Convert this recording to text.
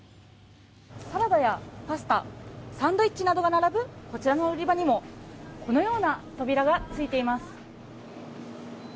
サラダやパスタサンドイッチなどが並ぶこちらの売り場にもこのような扉がついています。